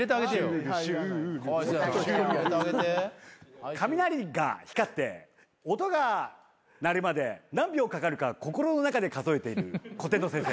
「シュールシュールホトシュール」雷が光って音が鳴るまで何秒かかるか心の中で数えている古典の先生。